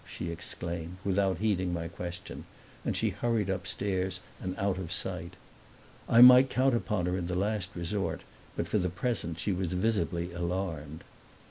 she exclaimed, without heeding my question; and she hurried upstairs and out of sight. I might count upon her in the last resort, but for the present she was visibly alarmed.